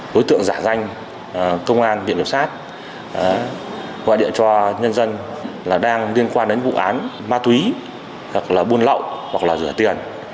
đối tượng giả danh công an biện biểu sát ngoại địa cho nhân dân đang liên quan đến vụ án ma túy buôn lậu hoặc rửa tiền